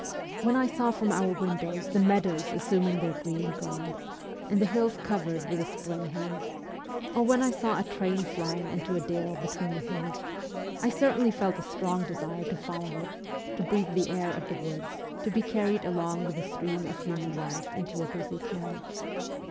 When I saw from our windows the meadows assuming their green garb, and the hills covered with a spring haze, or when I saw a train flying into a dale between the hills, I certainly felt a strong desire to follow it, to breathe the air of the woods, to be carried along with the stream of human life into a busy town.